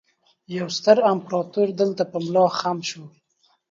يوه ستره امپراتورۍ دلته په ملا خم شوه